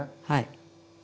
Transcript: はい。